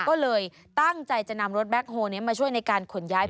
ก็เลยตั้งใจจะนำรถแบ็คโฮลนี้มาช่วยในการขนย้าย